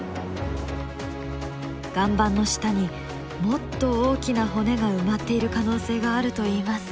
岩盤の下にもっと大きな骨が埋まっている可能性があるといいます。